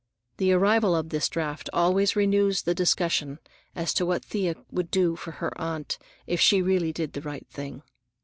The arrival of this draft always renews the discussion as to what Thea would do for her aunt if she really did the right thing.